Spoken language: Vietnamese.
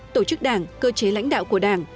tổ chức đảng cơ chế lãnh đạo của đảng